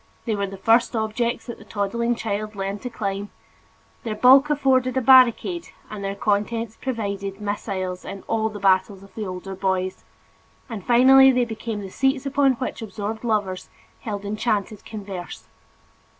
They were the first objects that the toddling child learned to climb; their bulk afforded a barricade and their contents provided missiles in all the battles of the older boys; and finally they became the seats upon which absorbed lovers held enchanted converse.